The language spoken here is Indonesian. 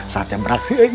saat yang beraksi lagi